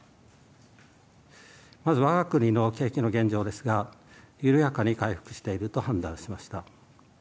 まずわが国の景気の現状ですが、緩やかに回復していると判断しました。